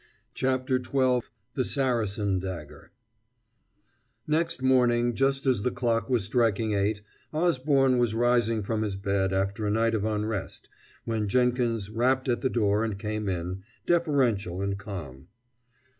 CHAPTER XII THE SARACEN DAGGER Next morning, just as the clock was striking eight, Osborne was rising from his bed after a night of unrest when Jenkins rapped at the door and came in, deferential and calm.